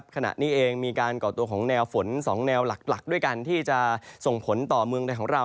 ขณะนี้เองมีการก่อตัวของแนวฝน๒แนวหลักด้วยกันที่จะส่งผลต่อเมืองใดของเรา